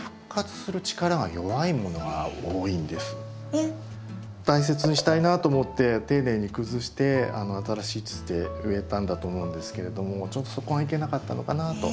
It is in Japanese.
あの大切にしたいなと思って丁寧に崩して新しい土で植えたんだと思うんですけれどもちょっとそこがいけなかったのかなと。